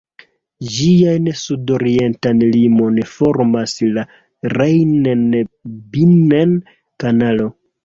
Ĝian sudorientan limon formas la Rhein-Binnen-Kanalo.